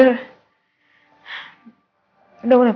dengan para kary animations yang bitanya